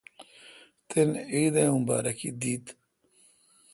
تن عید امبا۔ رکی دیت۔